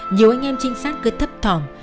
nhiều anh em trinh sát cứ thấp thỏm